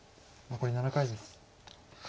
残り７回です。